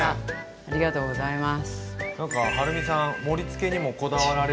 ありがとうございます。